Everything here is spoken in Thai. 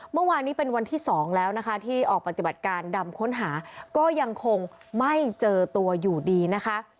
เมื่อวานนี้เป็นวันที่๒แล้วนะคะที่ออกปฏิบัติการดำค้นหาก็ยังคงไม่เจอตัวอยู่ดีนะคะ